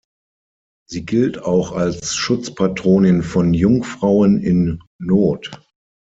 Sie gilt auch als Schutzpatronin von Jungfrauen in Not.